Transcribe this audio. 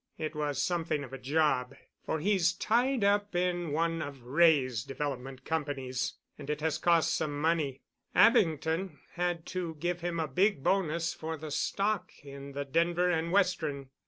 It was something of a job, for he's tied up in one of Wray's development companies, and it has cost some money. Abington had to give him a big bonus for the stock in the Denver and Western.